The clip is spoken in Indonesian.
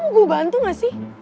lo mau gue bantu gak sih